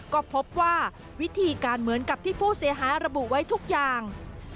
ก็พบว่าวิธีการเหมือนกับที่ผู้เสียหายระบุไว้ทุกอย่าง